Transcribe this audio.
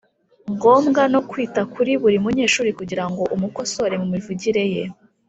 ngombwa no kwita kuri buri munyeshuri kugira ngo umukosore mu mivugire ye,